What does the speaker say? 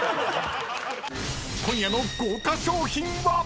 ［今夜の豪華賞品は⁉］